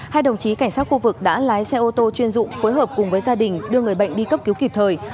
hai đồng chí cảnh sát khu vực đã lái xe ô tô chuyên dụng phối hợp cùng với gia đình đưa người bệnh đi cấp cứu kịp thời